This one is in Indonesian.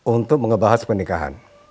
untuk ngebahas pernikahan